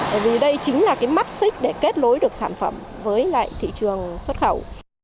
bởi vì đây chính là cái mắt xích để kết lối được sản phẩm với lại thị trường xuất khẩu